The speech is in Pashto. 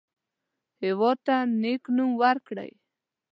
هېواد ته نیک نوم ورکړئ